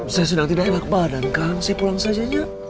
saya sedang tidak hebat badan kang saya pulang sajanya